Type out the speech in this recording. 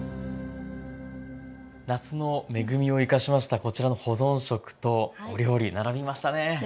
夏の恵みを生かしましたこちらの保存食とお料理並びましたね。ね。